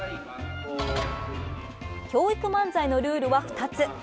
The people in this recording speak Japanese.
教育漫才のルールは２つ。